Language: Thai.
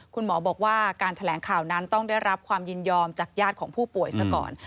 คุณหมอบอกว่าการแถลงข่าวนั้นต้องได้รับความยินยอมจากญาติของผู้ป่วยซะก่อน